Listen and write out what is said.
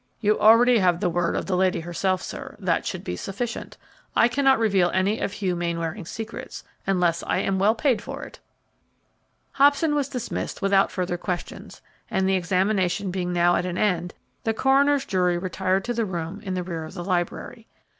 "You already have the word of the lady herself, sir; that should be sufficient. I cannot reveal any of Hugh Mainwaring's secrets, unless I am well paid for it!" Hobson was dismissed without further questions, and the examination being now at an end, the coroner's jury retired to the room in the rear of the library.